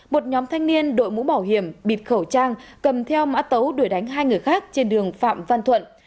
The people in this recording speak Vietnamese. một nhóm thanh niên đội mũ bảo hiểm bịt khẩu trang cầm theo mã tấu đuổi đánh hai người khác trên đường phạm văn thuận